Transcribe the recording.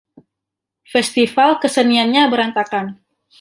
Festival keseniannya berantakan.